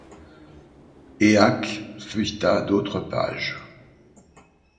Éaque feuilleta d’autres pages.